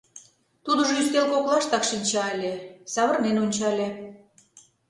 Тудыжо ӱстел коклаштак шинча ыле, савырнен ончале.